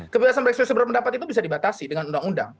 kebebasan berekspresi berpendapat itu bisa dibatasi dengan undang undang